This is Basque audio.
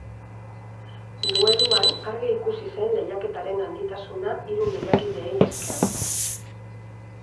Dueluan argi ikusi zen lehiaketaren handitasuna hiru lehiakideei esker.